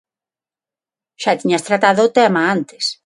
Xa tiñas tratado o tema antes.